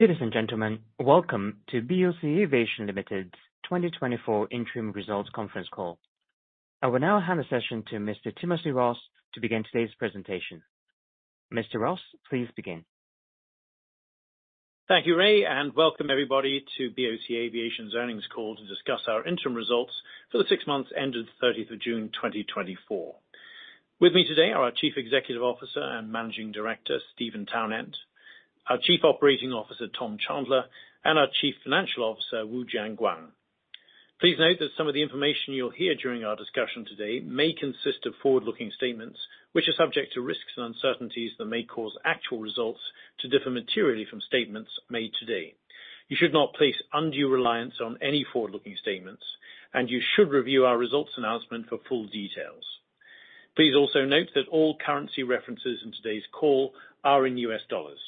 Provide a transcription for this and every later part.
Ladies and gentlemen, welcome to BOC Aviation Limited's 2024 interim results conference call. I will now hand the session to Mr. Timothy Ross to begin today's presentation. Mr. Ross, please begin. Thank you, Ray, and welcome everybody to BOC Aviation's earnings call to discuss our interim results for the six months ended the 30th of June, 2024. With me today are our Chief Executive Officer and Managing Director, Steven Townend, our Chief Operating Officer, Tom Chandler, and our Chief Financial Officer, Wu Jianguang. Please note that some of the information you'll hear during our discussion today may consist of forward-looking statements, which are subject to risks and uncertainties that may cause actual results to differ materially from statements made today. You should not place undue reliance on any forward-looking statements, and you should review our results announcement for full details. Please also note that all currency references in today's call are in U.S. dollars.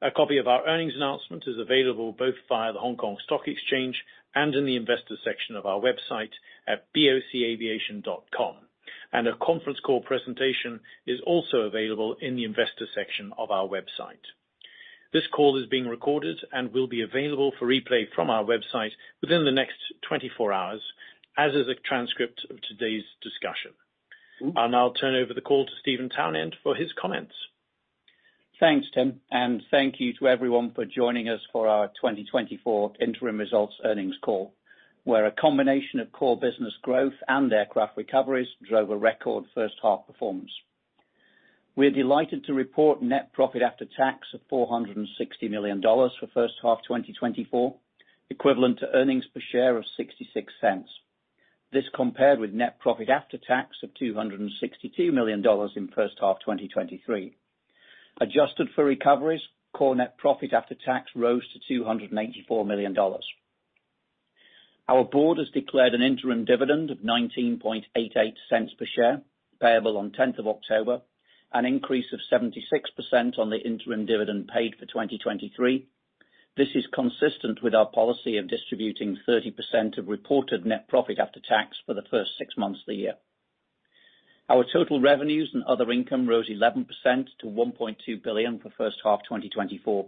A copy of our earnings announcement is available both via the Hong Kong Stock Exchange and in the investor section of our website at bocaviation.com. A conference call presentation is also available in the investor section of our website. This call is being recorded and will be available for replay from our website within the next 24 hours, as is a transcript of today's discussion. I'll now turn over the call to Steven Townend for his comments. Thanks, Tim, and thank you to everyone for joining us for our 2024 interim results earnings call, where a combination of core business growth and aircraft recoveries drove a record first half performance. We are delighted to report net profit after tax of $460 million for first half 2024, equivalent to earnings per share of $0.66. This compared with net profit after tax of $262 million in first half 2023. Adjusted for recoveries, core net profit after tax rose to $284 million. Our board has declared an interim dividend of $0.1988 per share, payable on tenth of October, an increase of 76% on the interim dividend paid for 2023. This is consistent with our policy of distributing 30% of reported net profit after tax for the first six months of the year. Our total revenues and other income rose 11% to $1.2 billion for first half 2024.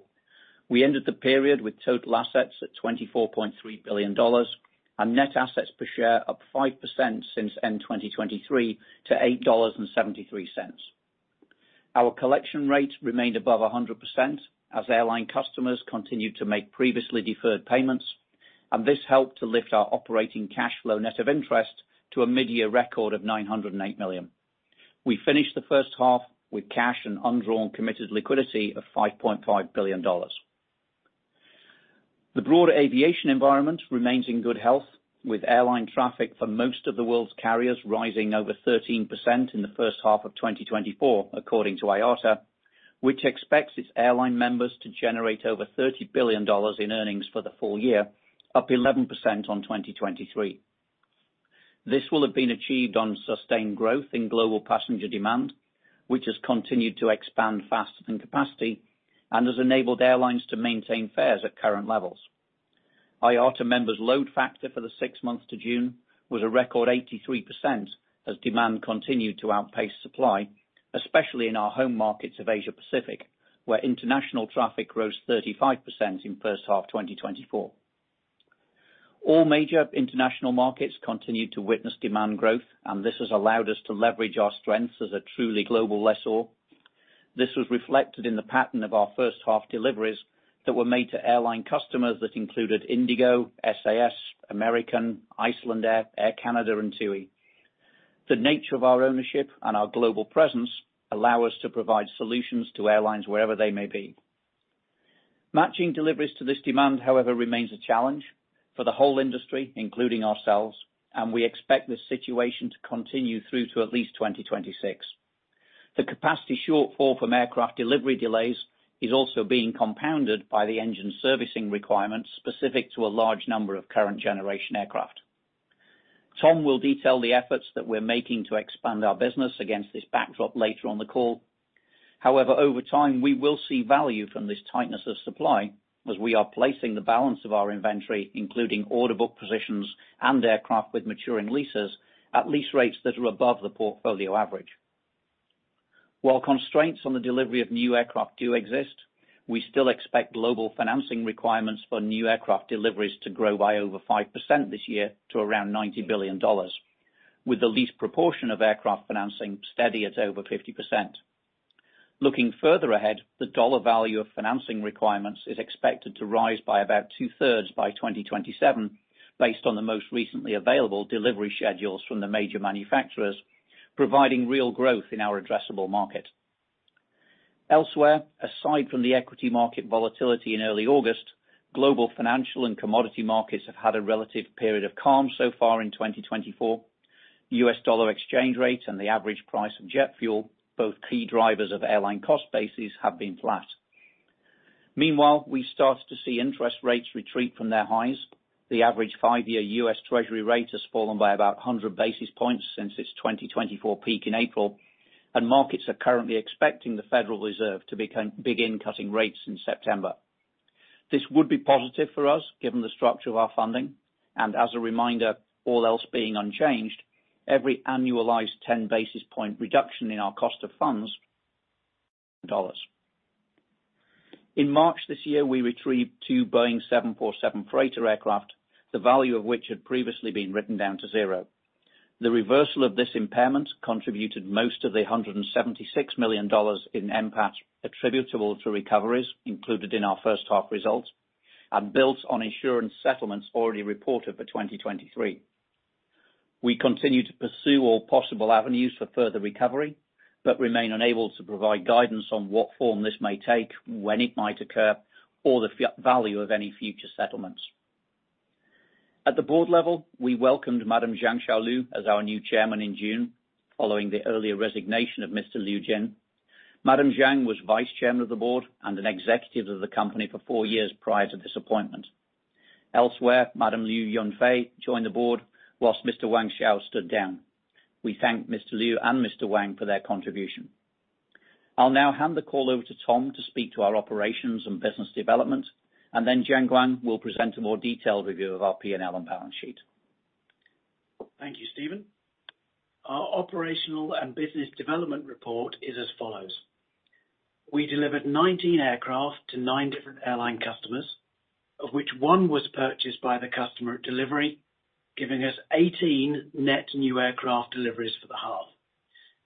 We ended the period with total assets at $24.3 billion, and net assets per share up 5% since end 2023 to $8.73. Our collection rate remained above 100%, as airline customers continued to make previously deferred payments, and this helped to lift our operating cash flow net of interest to a midyear record of $908 million. We finished the first half with cash and undrawn committed liquidity of $5.5 billion. The broader aviation environment remains in good health, with airline traffic for most of the world's carriers rising over 13% in the first half of 2024, according to IATA, which expects its airline members to generate over $30 billion in earnings for the full year, up 11% on 2023. This will have been achieved on sustained growth in global passenger demand, which has continued to expand faster than capacity and has enabled airlines to maintain fares at current levels. IATA members' load factor for the six months to June was a record 83%, as demand continued to outpace supply, especially in our home markets of Asia Pacific, where international traffic rose 35% in first half 2024. All major international markets continued to witness demand growth, and this has allowed us to leverage our strengths as a truly global lessor. This was reflected in the pattern of our first half deliveries that were made to airline customers that included IndiGo, SAS, American, Icelandair, Air Canada, and TUI. The nature of our ownership and our global presence allow us to provide solutions to airlines wherever they may be. Matching deliveries to this demand, however, remains a challenge for the whole industry, including ourselves, and we expect this situation to continue through to at least 2026. The capacity shortfall from aircraft delivery delays is also being compounded by the engine servicing requirements specific to a large number of current generation aircraft. Tom will detail the efforts that we're making to expand our business against this backdrop later on the call. However, over time, we will see value from this tightness of supply, as we are placing the balance of our inventory, including order book positions and aircraft with maturing leases, at lease rates that are above the portfolio average. While constraints on the delivery of new aircraft do exist, we still expect global financing requirements for new aircraft deliveries to grow by over 5% this year to around $90 billion, with the lease proportion of aircraft financing steady at over 50%. Looking further ahead, the dollar value of financing requirements is expected to rise by about two-thirds by 2027, based on the most recently available delivery schedules from the major manufacturers, providing real growth in our addressable market. Elsewhere, aside from the equity market volatility in early August, global financial and commodity markets have had a relative period of calm so far in 2024. The U.S. dollar exchange rate and the average price of jet fuel, both key drivers of airline cost bases, have been flat. Meanwhile, we've started to see interest rates retreat from their highs. The average five-year U.S. Treasury rate has fallen by about 100 basis points since its 2024 peak in April, and markets are currently expecting the Federal Reserve to begin cutting rates in September. This would be positive Parash, given the structure of our funding, and as a reminder, all else being unchanged, every annualized 10 basis point reduction in our cost of funds dollars. In March this year, we recovered two Boeing 747 freighter aircraft, the value of which had previously been written down to zero. The reversal of this impairment contributed most of the $176 million in NPAT, attributable to recoveries included in our first half results, and built on insurance settlements already reported for 2023. We continue to pursue all possible avenues for further recovery, but remain unable to provide guidance on what form this may take, when it might occur, or the future value of any future settlements. At the board level, we welcomed Madam Zhang Xiaolu, as our new Chairman in June, following the earlier resignation of Mr. Liu Jin. Madam Zhang was Vice Chairman of the board and an executive of the company for four years prior to this appointment. Elsewhere, Madam Liu Yunfei joined the board, while Mr. Wang Xiao stood down. We thank Mr. Liu and Mr. Wang for their contribution. I'll now hand the call over to Tom to speak to our operations and business development, and then Jianguang will present a more detailed review of our P&L and balance sheet. Thank you, Steven. Our operational and business development report is as follows: We delivered 19 aircraft to nine different airline customers, of which one was purchased by the customer at delivery, giving us 18 net new aircraft deliveries for the half,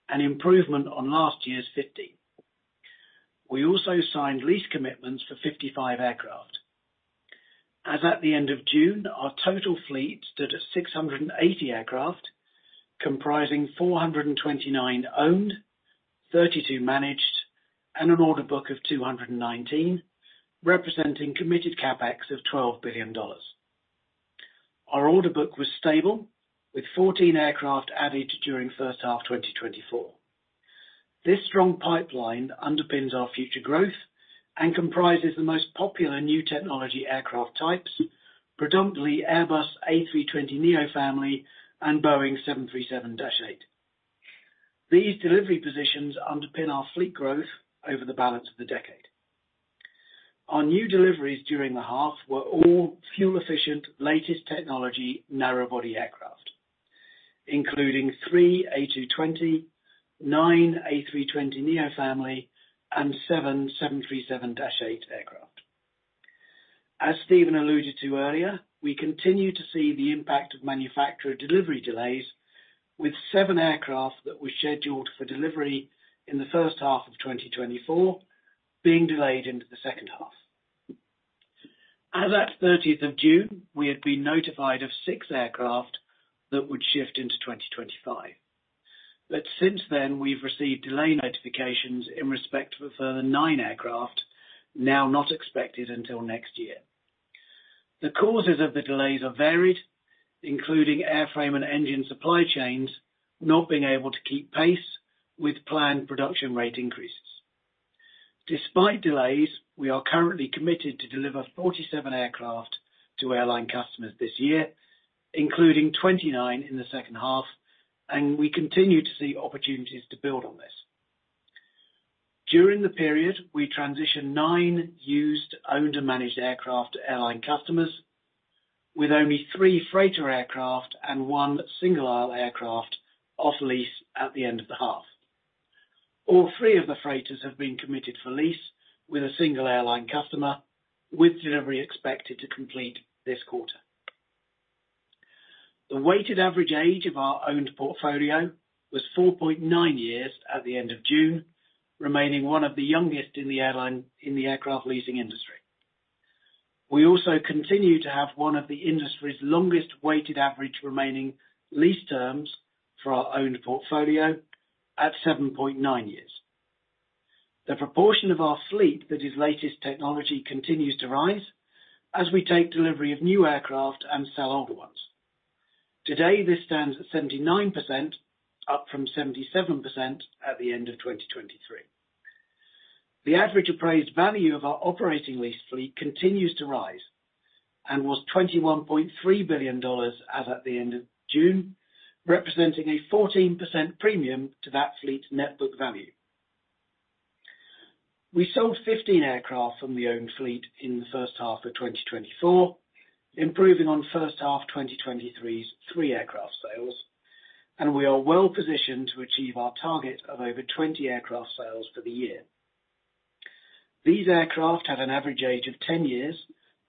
an improvement on last year's 50. We also signed lease commitments for 55 aircraft. As at the end of June, our total fleet stood at 680 aircraft, comprising 429 owned, 32 managed, and an order book of 219, representing committed CapEx of $12 billion. Our order book was stable, with 14 aircraft added during first half 2024. This strong pipeline underpins our future growth and comprises the most popular new technology aircraft types, predominantly Airbus A320neo Family and Boeing 737-8. These delivery positions underpin our fleet growth over the balance of the decade. Our new deliveries during the half were all fuel efficient, latest technology, narrow-body aircraft, including 3 A220, 9 A320neo Family, and 7 737-8 aircraft. As Steven alluded to earlier, we continue to see the impact of manufacturer delivery delays, with 7 aircraft that were scheduled for delivery in the first half of 2024 being delayed into the second half. As at June 30, we had been notified of 6 aircraft that would shift into 2025. But since then, we've received delay notifications in respect of a further 9 aircraft, now not expected until next year. The causes of the delays are varied, including airframe and engine supply chains not being able to keep pace with planned production rate increases. Despite delays, we are currently committed to deliver 47 aircraft to airline customers this year, including 29 in the second half, and we continue to see opportunities to build on this. During the period, we transitioned 9 used, owned, and managed aircraft to airline customers, with only 3 freighter aircraft and 1 single-aisle aircraft off lease at the end of the half. All 3 of the freighters have been committed for lease with a single airline customer, with delivery expected to complete this quarter. The weighted average age of our owned portfolio was 4.9 years at the end of June, remaining one of the youngest in the aircraft leasing industry. We also continue to have one of the industry's longest weighted average remaining lease terms for our owned portfolio at 7.9 years. The proportion of our fleet that is latest technology continues to rise, as we take delivery of new aircraft and sell older ones. Today, this stands at 79%, up from 77% at the end of 2023. The average appraised value of our operating lease fleet continues to rise, and was $21.3 billion as at the end of June, representing a 14% premium to that fleet's net book value. We sold 15 aircraft from the owned fleet in the first half of 2024, improving on first half 2023's three aircraft sales, and we are well positioned to achieve our target of over 20 aircraft sales for the year. These aircraft had an average age of 10 years,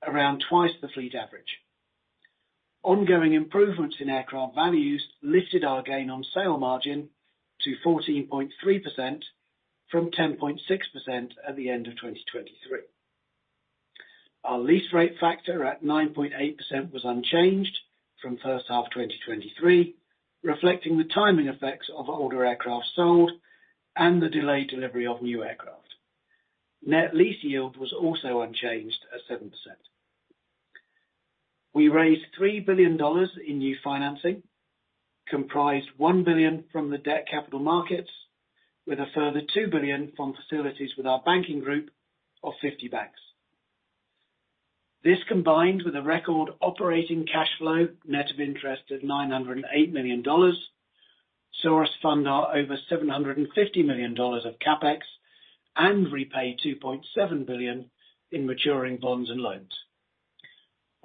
around twice the fleet average. Ongoing improvements in aircraft values lifted our gain on sale margin to 14.3% from 10.6% at the end of 2023. Our lease rate factor, at 9.8%, was unchanged from first half 2023, reflecting the timing effects of older aircraft sold and the delayed delivery of new aircraft. Net lease yield was also unchanged at 7%. We raised $3 billion in new financing, comprised $1 billion from the debt capital markets, with a further $2 billion from facilities with our banking group of 50 banks. This, combined with a record operating cash flow, net of interest, at $908 million, sourced fund our over $750 million of CapEx and repaid $2.7 billion in maturing bonds and loans.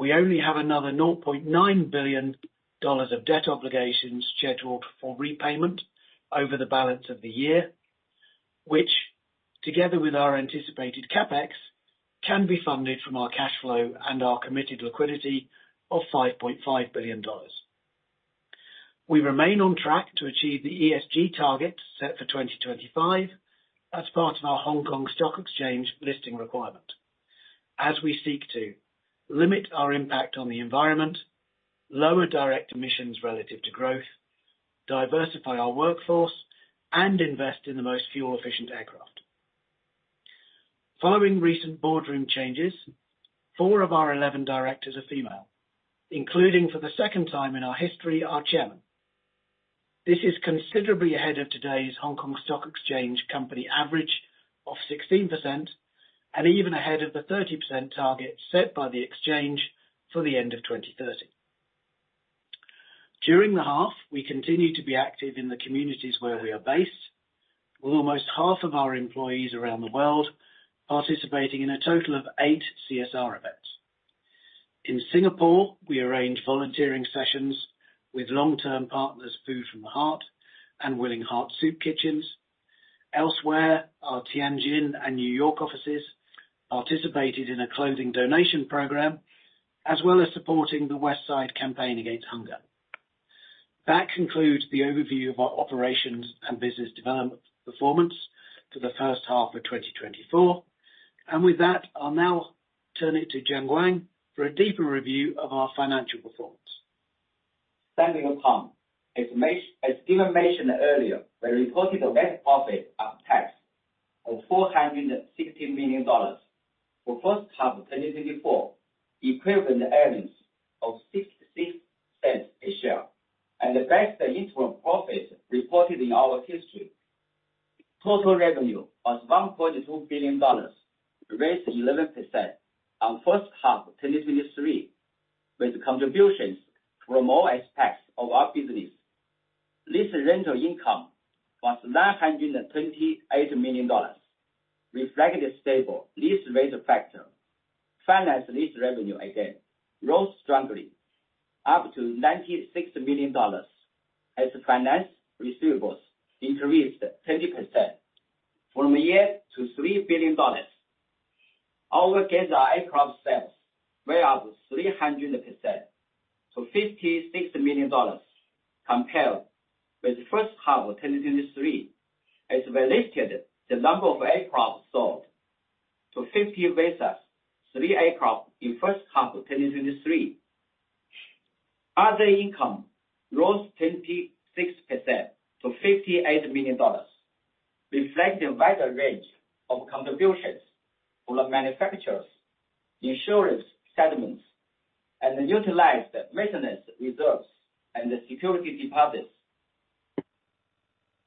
We only have another $0.9 billion of debt obligations scheduled for repayment over the balance of the year, which together with our anticipated CapEx, can be funded from our cash flow and our committed liquidity of $5.5 billion. We remain on track to achieve the ESG targets set for 2025 as part of our Hong Kong Stock Exchange listing requirement. As we seek to limit our impact on the environment, lower direct emissions relative to growth, diversify our workforce, and invest in the most fuel-efficient aircraft. Following recent boardroom changes, four of our 11 directors are female, including for the second time in our history, our chairman. This is considerably ahead of today's Hong Kong Stock Exchange company average of 16%, and even ahead of the 30% target set by the exchange for the end of 2030. During the half, we continued to be active in the communities where we are based, with almost half of our employees around the world participating in a total of eight CSR events. In Singapore, we arranged volunteering sessions with long-term partners, Food from the Heart and Willing Hearts Soup Kitchens. Elsewhere, our Tianjin and New York offices participated in a clothing donation program, as well as supporting the West Side Campaign Against Hunger. That concludes the overview of our operations and business development performance for the first half of 2024, and with that, I'll now turn it to Jianguang for a deeper review of our financial performance. Thank you, Tom. As Steven mentioned earlier, we reported a net profit after tax of $460 million for first half of 2024, equivalent earnings of $0.66 a share, and the best interim profits reported in our history. Total revenue was $1.2 billion, raised 11% on first half of 2023, with contributions from all aspects of our business. Lease rental income was $928 million, reflecting a stable lease rate factor. Finance lease revenue again rose strongly up to $96 million, as finance receivables increased 20% from a year ago to $3 billion. Our aircraft sales were up 300% to $56 million compared with first half of 2023, as we lifted the number of aircraft sold to 50 versus 3 aircraft in first half of 2023. Other income rose 26% to $58 million, reflecting a wider range of contributions from the manufacturers, insurance settlements, and utilized maintenance reserves and security deposits.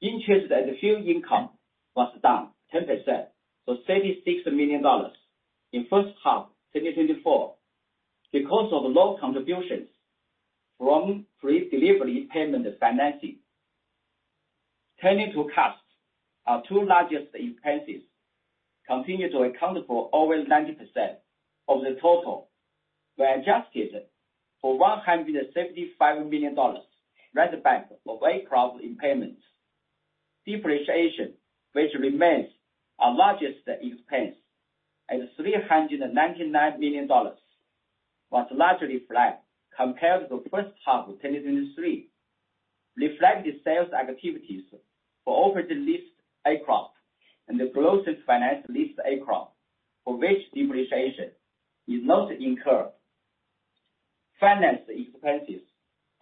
Interest and fee income was down 10% to $36 million in first half 2024 because of low contributions from pre-delivery payment financing. Turning to costs, our two largest expenses continue to account for over 90% of the total. We adjusted for $175 million write-back of aircraft impairments. Depreciation, which remains our largest expense at $399 million, was largely flat compared to first half of 2023, reflecting sales activities for operating leased aircraft and those finance leased aircraft, for which depreciation is not incurred. Finance expenses,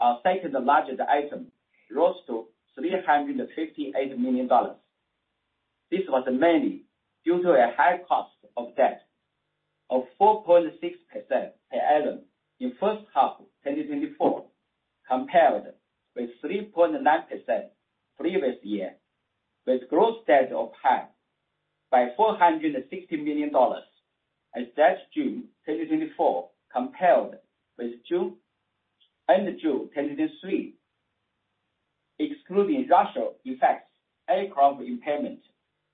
our second-largest item, rose to $358 million. This was mainly due to a high cost of debt of 4.6% per annum in first half of 2024, compared with 3.9% previous year, with gross debt higher by $460 million as at June 2024, compared with end June 2023. Excluding reversal effects, aircraft impairment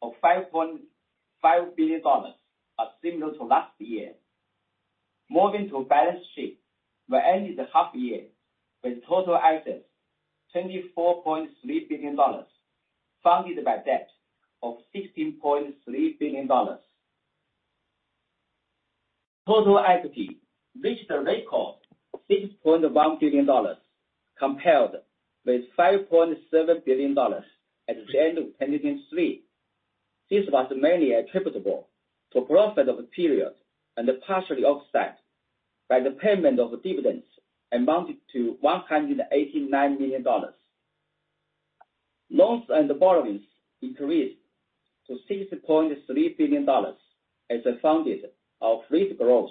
of $5.5 billion are similar to last year. Moving to a balance sheet, we ended the half year with total assets $24.3 billion, funded by debt of $16.3 billion. Total equity reached a record of $6.1 billion, compared with $5.7 billion at the end of 2023. This was mainly attributable to profit of the period and partially offset by the payment of dividends amounting to $189 million. Loans and borrowings increased to $6.3 billion as a result of fleet growth,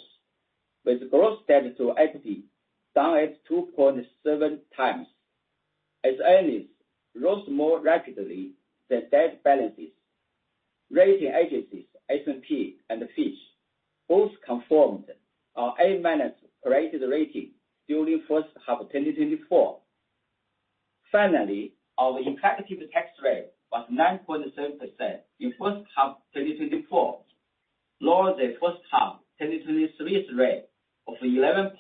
with gross debt to equity down at 2.7 times as earnings rose more rapidly than debt balances. Rating agencies, S&P and Fitch, both confirmed our A-minus rating during first half of 2024. Finally, our effective tax rate was 9.7% in first half 2024, lower than first half 2023's rate of 11.4%,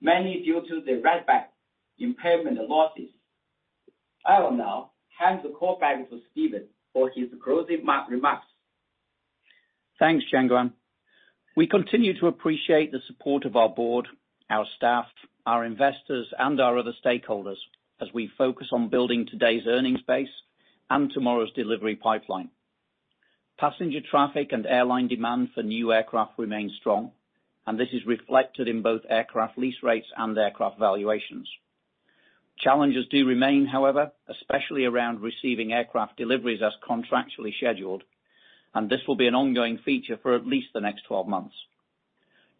mainly due to the write back impairment losses. I will now hand the call back to Steven for his closing remarks. Thanks, Jianguang. We continue to appreciate the support of our board, our staff, our investors, and our other stakeholders as we focus on building today's earnings base and tomorrow's delivery pipeline. Passenger traffic and airline demand for new aircraft remain strong, and this is reflected in both aircraft lease rates and aircraft valuations. Challenges do remain, however, especially around receiving aircraft deliveries as contractually scheduled, and this will be an ongoing feature for at least the next 12 months.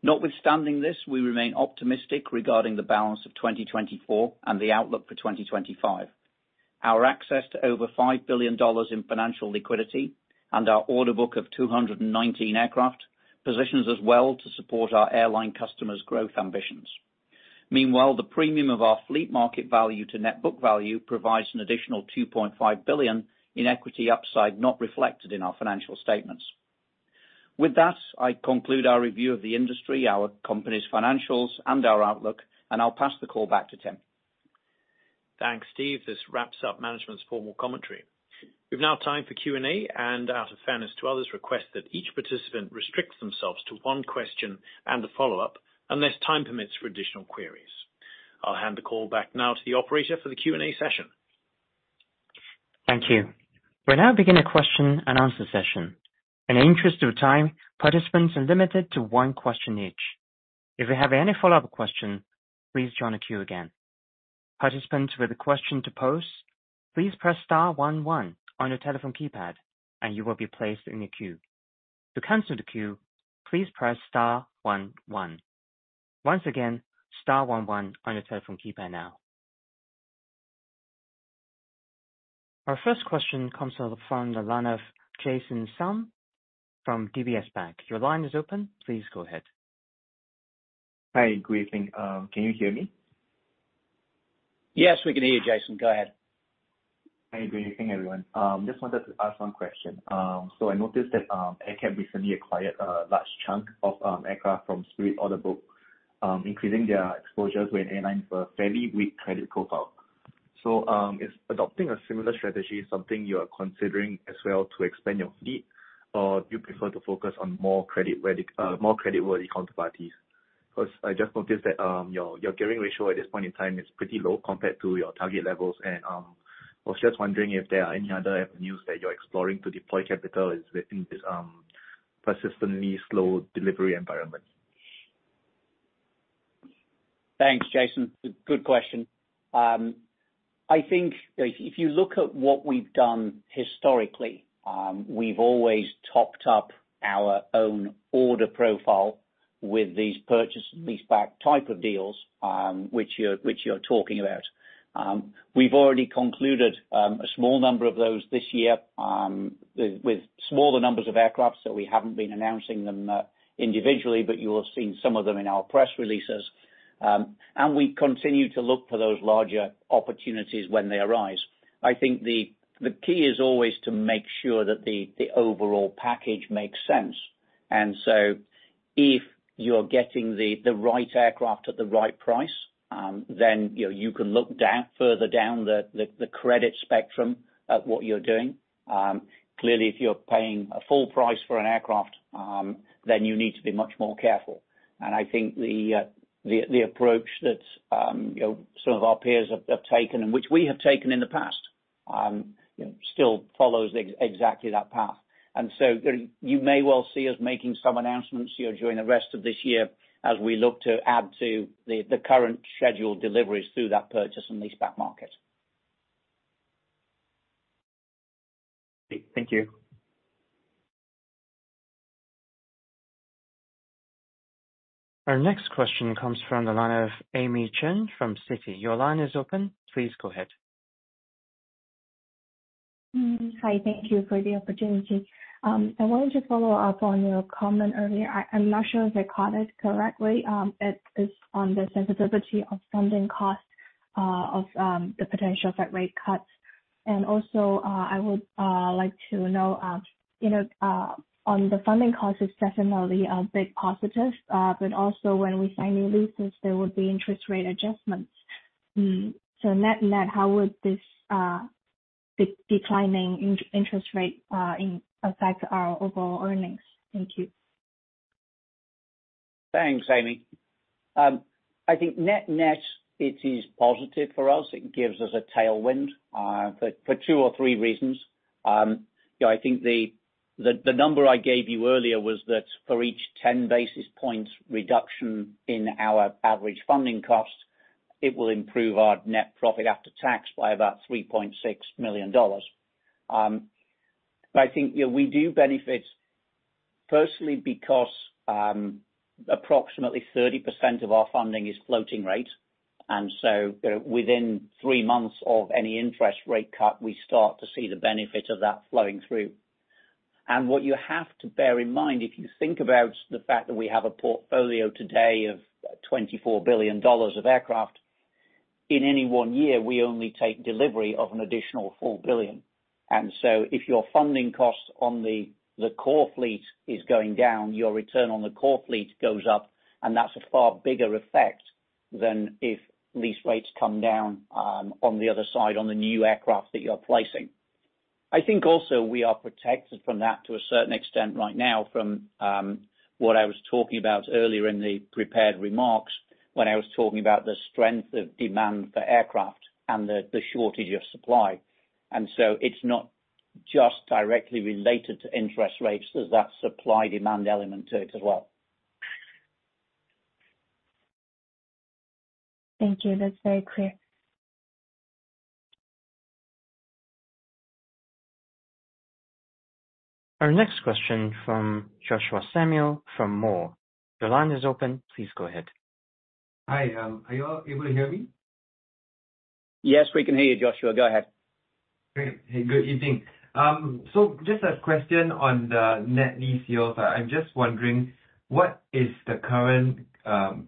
Notwithstanding this, we remain optimistic regarding the balance of 2024 and the outlook for 2025. Our access to over $5 billion in financial liquidity and our order book of 219 aircraft positions us well to support our airline customers' growth ambitions. Meanwhile, the premium of our fleet market value to net book value provides an additional $2.5 billion in equity upside, not reflected in our financial statements. With that, I conclude our review of the industry, our company's financials, and our outlook, and I'll pass the call back to Tim. Thanks, Steve. This wraps up management's formal commentary. We've now time for Q&A, and out of fairness to others, request that each participant restricts themselves to one question and a follow-up, unless time permits for additional queries. I'll hand the call back now to the operator for the Q&A session. Thank you. We're now beginning a question and answer session. In the interest of time, participants are limited to one question each. If you have any follow-up question, please join the queue again. Participants with a question to pose, please press star one one on your telephone keypad, and you will be placed in a queue. To cancel the queue, please press star one one. Once again, star one one on your telephone keypad now. Our first question comes from the phone, the line of Jason Sum from DBS Bank. Your line is open. Please go ahead. Hi, good evening. Can you hear me? Yes, we can hear you, Jason, go ahead. Hi, good evening, everyone. Just wanted to ask one question. So I noticed that AerCap recently acquired a large chunk of aircraft from Spirit order book, increasing their exposures with airlines for a fairly weak credit profile. So, is adopting a similar strategy something you are considering as well to expand your fleet, or do you prefer to focus on more credit worthy, more credit worthy counterparties? Because I just noticed that, your, your gearing ratio at this point in time is pretty low compared to your target levels, and, I was just wondering if there are any other avenues that you're exploring to deploy capital is within this, persistently slow delivery environment. Thanks, Jason. Good question. I think if you look at what we've done historically, we've always topped up our own order profile with these purchase, lease back type of deals, which you're talking about. We've already concluded a small number of those this year, with smaller numbers of aircraft, so we haven't been announcing them individually, but you will have seen some of them in our press releases. And we continue to look for those larger opportunities when they arise. I think the key is always to make sure that the overall package makes sense. And so if you're getting the right aircraft at the right price, then, you know, you can look down, further down the credit spectrum at what you're doing. Clearly, if you're paying a full price for an aircraft, then you need to be much more careful. And I think the approach that, you know, some of our peers have taken, and which we have taken in the past, you know, still follows exactly that path. And so you may well see us making some announcements here during the rest of this year as we look to add to the current scheduled deliveries through that purchase and lease back market. Thank you. Our next question comes from the line of Amy Chen from Citi. Your line is open. Please go ahead. Hi, thank you for the opportunity. I wanted to follow up on your comment earlier. I'm not sure if I caught it correctly. It is on the sensitivity of funding costs of the potential Fed rate cuts. Also, I would like to know, you know, on the funding cost is definitely a big positive, but also, when we sign new leases, there will be interest rate adjustments. So net, net, how would this declining interest rate impact our overall earnings? Thank you. Thanks, Amy. I think net, net, it is positive for us. It gives us a tailwind for two or three reasons. You know, I think the number I gave you earlier was that for each 10 basis points reduction in our average funding costs, it will improve our net profit after tax by about $3.6 million. But I think, you know, we do benefit firstly, because approximately 30% of our funding is floating rate, and so, you know, within 3 months of any interest rate cut, we start to see the benefit of that flowing through. And what you have to bear in mind, if you think about the fact that we have a portfolio today of $24 billion of aircraft, in any one year, we only take delivery of an additional $4 billion. And so if your funding costs on the core fleet is going down, your return on the core fleet goes up, and that's a far bigger effect than if lease rates come down on the other side, on the new aircraft that you're placing. I think also we are protected from that to a certain extent right now, from what I was talking about earlier in the prepared remarks, when I was talking about the strength of demand for aircraft and the shortage of supply. And so it's not just directly related to interest rates, there's that supply-demand element to it as well. Thank you. That's very clear. Our next question from Joshua Samuel, from Mawer. The line is open. Please go ahead. Hi, are you all able to hear me? Yes, we can hear you, Joshua. Go ahead. Great. Hey, good evening. So just a question on the net lease deals. I'm just wondering, what is the current,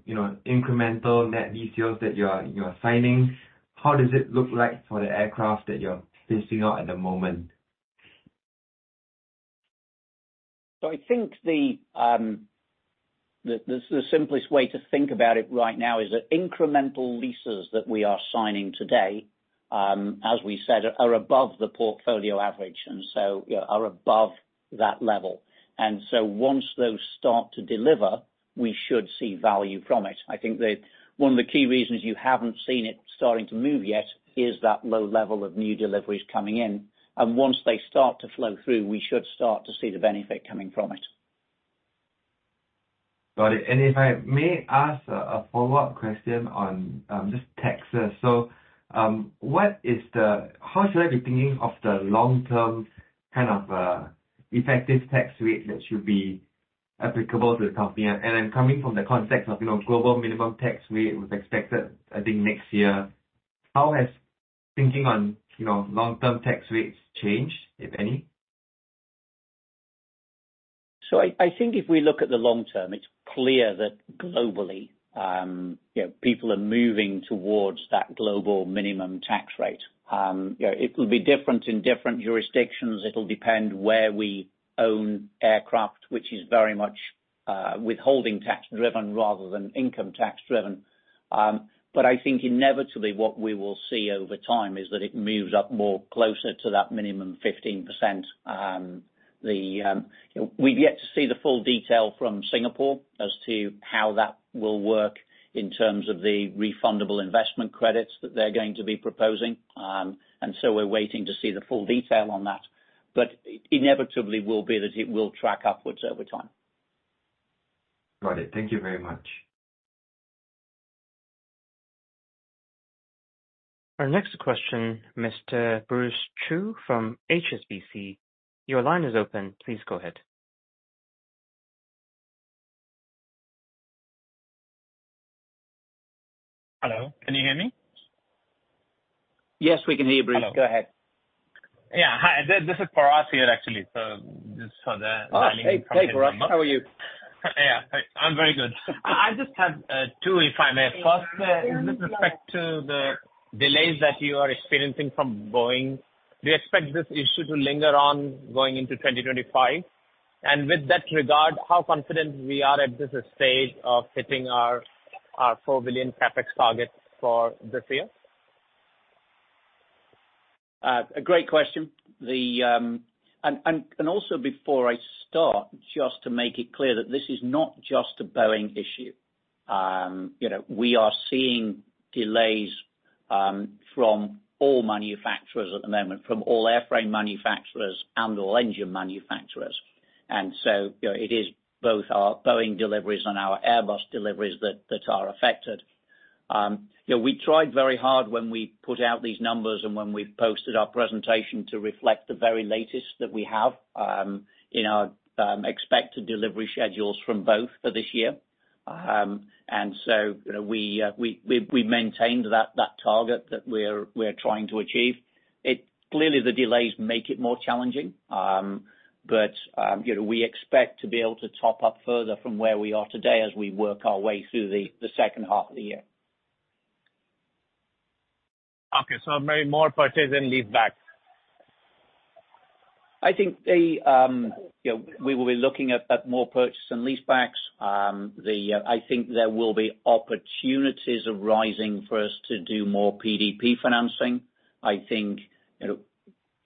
you know, incremental net lease deals that you are signing? How does it look like for the aircraft that you're leasing out at the moment? So I think the simplest way to think about it right now is that incremental leases that we are signing today, as we said, are above the portfolio average, and so, you know, are above that level. So once those start to deliver, we should see value from it. I think that one of the key reasons you haven't seen it starting to move yet is that low level of new deliveries coming in, and once they start to flow through, we should start to see the benefit coming from it. Got it. And if I may ask a follow-up question on just taxes. So, how should I be thinking of the long-term kind of effective tax rate that should be applicable to the company? And I'm coming from the context of, you know, global minimum tax rate, which is expected, I think, next year. How has thinking on, you know, long-term tax rates changed, if any? So I think if we look at the long term, it's clear that globally, you know, people are moving towards that global minimum tax rate. You know, it will be different in different jurisdictions. It'll depend where we own aircraft, which is very much, withholding tax driven rather than income tax driven. But I think inevitably what we will see over time is that it moves up more closer to that minimum 15%. The, you know... We've yet to see the full detail from Singapore as to how that will work in terms of the refundable investment credits that they're going to be proposing. And so we're waiting to see the full detail on that, but inevitably will be that it will track upwards over time. Got it. Thank you very much. Our next question, Mr. Bruce Chu, from HSBC. Your line is open. Please go ahead. Hello, can you hear me? Yes, we can hear you, Bruce. Hello. Go ahead. Yeah. Hi, this is for us here, actually. So just for the- Oh, hey, hey, Bruce. How are you? Yeah, I'm very good. I just have two, if I may. First, with respect to the delays that you are experiencing from Boeing, do you expect this issue to linger on going into 2025? And with that regard, how confident we are at this stage of hitting our $4 billion CapEx target for this year? A great question. Also before I start, just to make it clear that this is not just a Boeing issue. You know, we are seeing delays from all manufacturers at the moment, from all airframe manufacturers and all engine manufacturers. And so, you know, it is both our Boeing deliveries and our Airbus deliveries that are affected. You know, we tried very hard when we put out these numbers and when we posted our presentation to reflect the very latest that we have in our expected delivery schedules from both for this year. And so, you know, we maintained that target that we're trying to achieve. Clearly, the delays make it more challenging, but you know, we expect to be able to top up further from where we are today as we work our way through the second half of the year. Okay, so maybe more purchase and leaseback. I think the, you know, we will be looking at more purchase and leasebacks. I think there will be opportunities arising for us to do more PDP financing. I think, you know,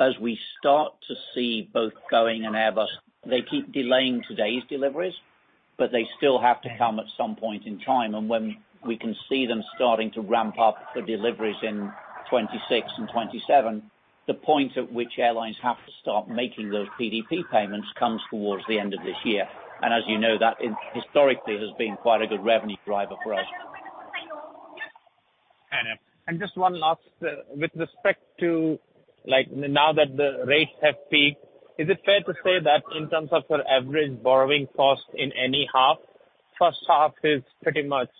as we start to see both Boeing and Airbus, they keep delaying today's deliveries, but they still have to come at some point in time. And when we can see them starting to ramp up the deliveries in 2026 and 2027, the point at which airlines have to start making those PDP payments comes towards the end of this year. And as you know, that historically has been quite a good revenue driver for us. I know. Just one last, with respect to, like, now that the rates have peaked, is it fair to say that in terms of your average borrowing cost in any half, first half is pretty much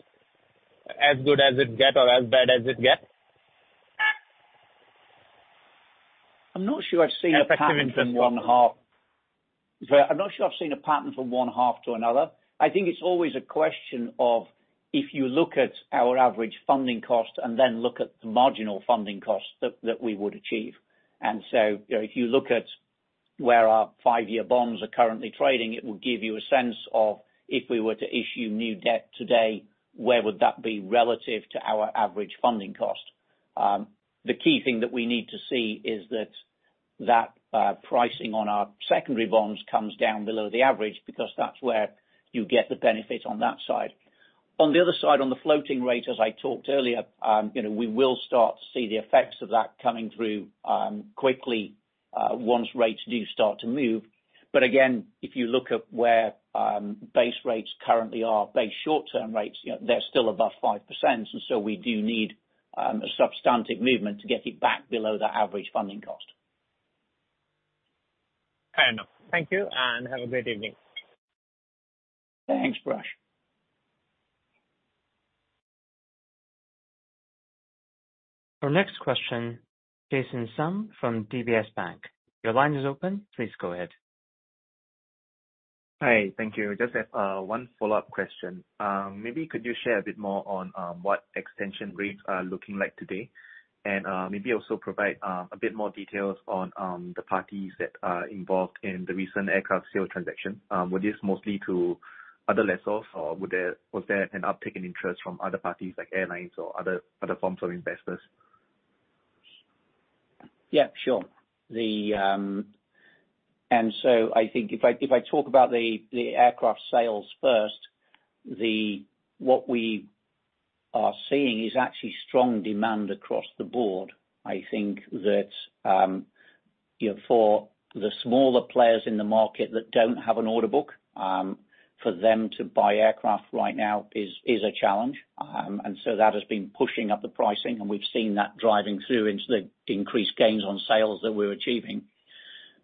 as good as it get or as bad as it gets? ... I'm not sure I've seen a pattern from one half. But I'm not sure I've seen a pattern from one half to another. I think it's always a question of, if you look at our average funding cost and then look at the marginal funding cost that we would achieve. And so, you know, if you look at where our five-year bonds are currently trading, it will give you a sense of, if we were to issue new debt today, where would that be relative to our average funding cost? The key thing that we need to see is that pricing on our secondary bonds comes down below the average, because that's where you get the benefit on that side. On the other side, on the floating rate, as I talked earlier, you know, we will start to see the effects of that coming through, quickly, once rates do start to move. But again, if you look at where base rates currently are, base short-term rates, you know, they're still above 5%, and so we do need a substantive movement to get it back below the average funding cost. Fair enough. Thank you, and have a great evening. Thanks, Parash. Our next question, Jason Sum from DBS Bank. Your line is open, please go ahead. Hi, thank you. Just, one follow-up question. Maybe could you share a bit more on, what extension rates are looking like today? And, maybe also provide, a bit more details on, the parties that are involved in the recent aircraft sale transaction. Were these mostly to other lessors, or were there-- was there an uptick in interest from other parties, like airlines or other, other forms of investors? Yeah, sure. And so I think if I talk about the aircraft sales first, what we are seeing is actually strong demand across the board. I think that, you know, for the smaller players in the market that don't have an order book, for them to buy aircraft right now is a challenge. And so that has been pushing up the pricing, and we've seen that driving through into the increased gains on sales that we're achieving.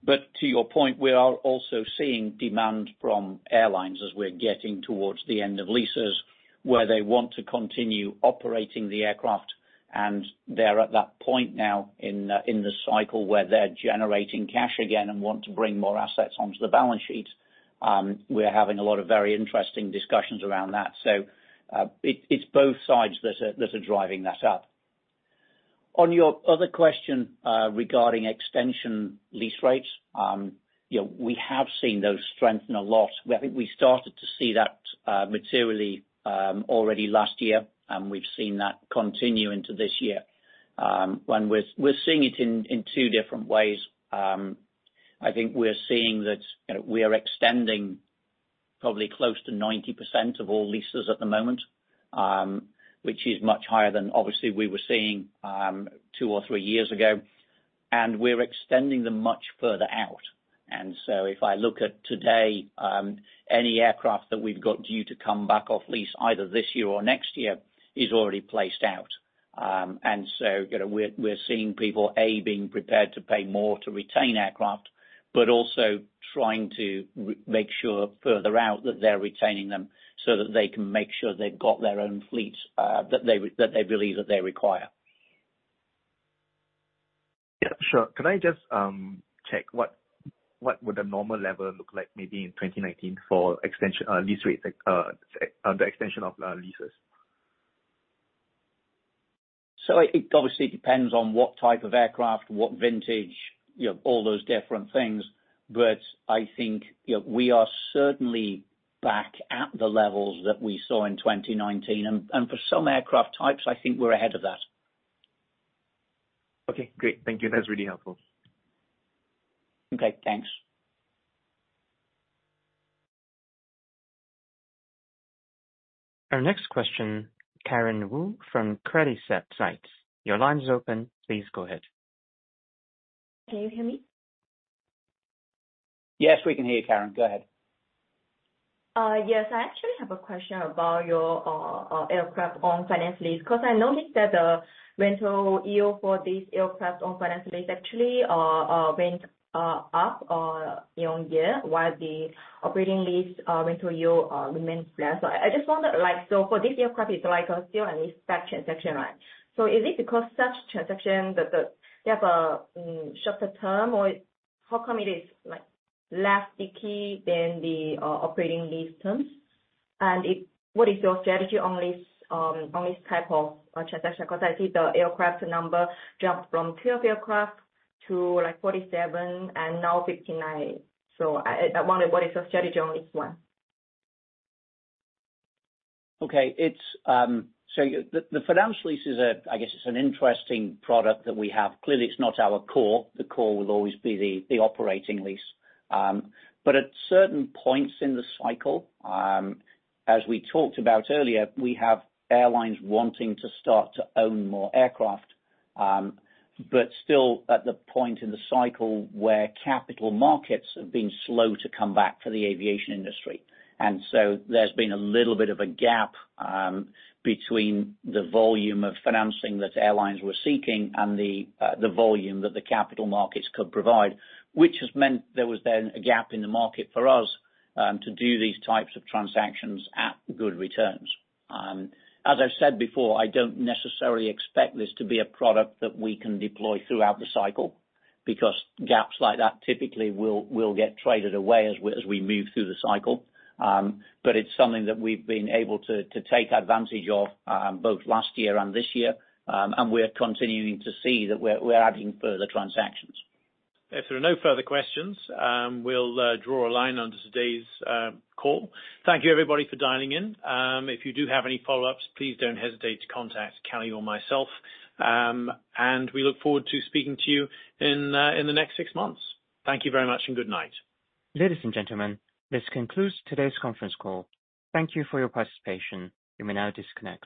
But to your point, we are also seeing demand from airlines as we're getting towards the end of leases, where they want to continue operating the aircraft, and they're at that point now in the cycle where they're generating cash again and want to bring more assets onto the balance sheet. We're having a lot of very interesting discussions around that. So, it's both sides that are driving that up. On your other question, regarding extension lease rates, you know, we have seen those strengthen a lot. I think we started to see that materially already last year, and we've seen that continue into this year. And we're seeing it in two different ways. I think we're seeing that, you know, we are extending probably close to 90% of all leases at the moment, which is much higher than obviously we were seeing two or three years ago. And we're extending them much further out. So if I look at today, any aircraft that we've got due to come back off lease, either this year or next year, is already placed out. And so, you know, we're seeing people being prepared to pay more to retain aircraft, but also trying to make sure further out that they're retaining them, so that they can make sure they've got their own fleet that they believe that they require. Yeah, sure. Can I just check what would a normal level look like maybe in 2019 for extension lease rates, the extension of leases? So it obviously depends on what type of aircraft, what vintage, you know, all those different things. But I think, you know, we are certainly back at the levels that we saw in 2019, and for some aircraft types, I think we're ahead of that. Okay, great. Thank you. That's really helpful. Okay, thanks. Our next question, Karen Wu from Credit Suisse. Your line is open. Please go ahead. Can you hear me? Yes, we can hear you, Karen, go ahead. Yes. I actually have a question about your aircraft-owned finance lease. Because I noticed that the rental yield for these aircraft-owned finance lease actually went up year on year, while the operating lease rental yield remains there. So I just wonder, like. So for this aircraft, it's like still a leaseback transaction, right? So is it because such transaction that you have a shorter term, or how come it is like less sticky than the operating lease terms? And what is your strategy on this type of transaction? Because I see the aircraft number jumped from 2 aircraft to like 47 and now 59. So I wonder what is your strategy on this one? Okay. It's so the financial lease is a, I guess, it's an interesting product that we have. Clearly, it's not our core. The core will always be the operating lease. But at certain points in the cycle, as we talked about earlier, we have airlines wanting to start to own more aircraft, but still at the point in the cycle where capital markets have been slow to come back to the aviation industry. And so there's been a little bit of a gap between the volume of financing that airlines were seeking and the volume that the capital markets could provide, which has meant there was then a gap in the market for us to do these types of transactions at good returns. As I've said before, I don't necessarily expect this to be a product that we can deploy throughout the cycle, because gaps like that typically will get traded away as we move through the cycle. But it's something that we've been able to take advantage of, both last year and this year. And we're continuing to see that we're adding further transactions. If there are no further questions, we'll draw a line under today's call. Thank you, everybody, for dialing in. If you do have any follow-ups, please don't hesitate to contact Kelly or myself. We look forward to speaking to you in the next six months. Thank you very much and good night. Ladies and gentlemen, this concludes today's conference call. Thank you for your participation. You may now disconnect.